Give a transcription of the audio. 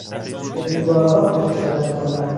به دیوارها پوستر چسباندن